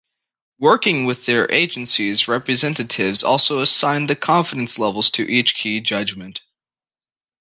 Working with their agencies, representatives also assign the confidence levels to each key judgment.